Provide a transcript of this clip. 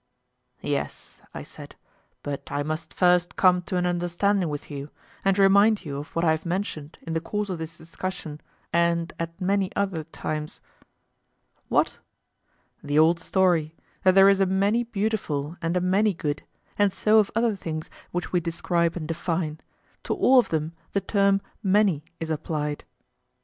Yes, I said, but I must first come to an understanding with you, and remind you of what I have mentioned in the course of this discussion, and at many other times. What? The old story, that there is a many beautiful and a many good, and so of other things which we describe and define; to all of them the term 'many' is applied.